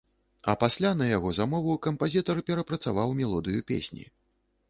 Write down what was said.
А пасля на яго замову кампазітар перапрацаваў мелодыю песні.